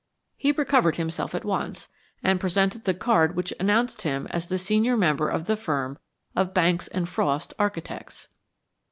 He recovered himself at once, and presented the card which announced him as the senior member of the firm of Banks and Frost, architects.